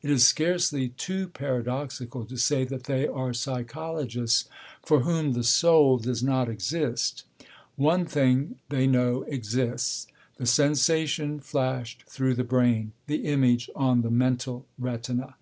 It is scarcely too paradoxical to say that they are psychologists for whom the soul does not exist. One thing, they know, exists: the sensation flashed through the brain, the image on the mental retina.